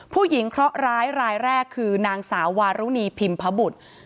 เคราะหร้ายรายแรกคือนางสาววารุณีพิมพบุตร